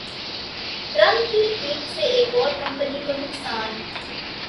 Trump کی tweet سے ایک اور کمپنی کو نقصان